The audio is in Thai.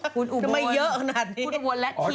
ก็ไม่เยอะขนาดนี้